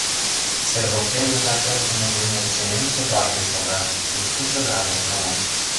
Сер воктене жап эртыме дене шемемше барже шога, тушко чодырам оптымо.